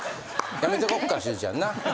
やめとこっかしずちゃんな？